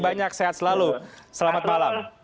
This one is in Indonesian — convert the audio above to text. banyak sehat selalu selamat malam